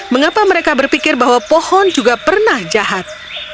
mengapa mereka berpikir bahwa pohon juga pernah jahat